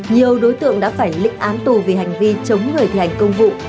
nhiều đối tượng đã phải lịch án tù vì hành vi chống người thể hành công vụ